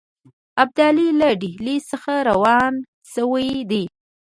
ابدالي له ډهلي څخه روان شوی دی.